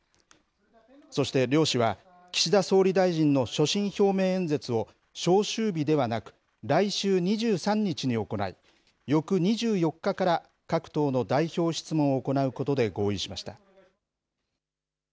そして、両氏は岸田総理大臣の所信表明演説を召集日ではなく、来週２３日に行い、翌２４日から各党の代表質問を行うことで合意しました。